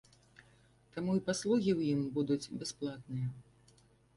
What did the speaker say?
Таму і паслугі ў ім будуць бясплатныя.